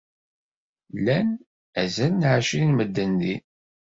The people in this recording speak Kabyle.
Llan azal n ɛecrin n medden din.